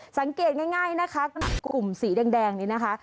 สังเกตง่ายนะคะกลุ่มสีแดงนี้นะคะ